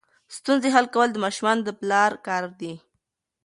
ستونزې حل کول د ماشومانو د پلار کار دی.